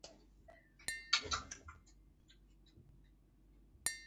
سپي وېرېږي.